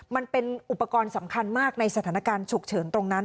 มันเป็นอุปกรณ์สำคัญมากในสถานการณ์ฉุกเฉินตรงนั้น